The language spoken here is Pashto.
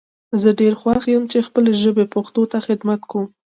زه ډیر خوښ یم چی خپلې ژبي پښتو ته خدمت کوم